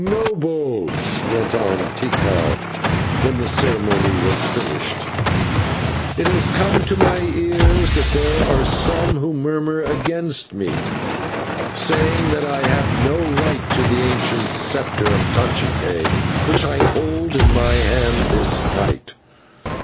"Nobles," went on Tikal, when this ceremony was finished, "it has come to my ears that there are some who murmur against me, saying that I have no right to the ancient sceptre of /cacique/ which I hold in my hand this night.